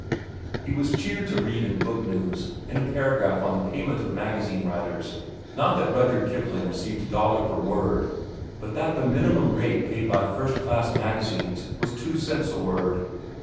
He was cheered to read in Book News, in a paragraph on the payment of magazine writers, not that Rudyard Kipling received a dollar per word, but that the minimum rate paid by first class magazines was two cents a word.